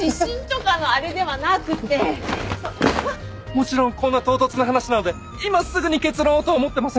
もちろんこんな唐突な話なので今すぐに結論をとは思ってません。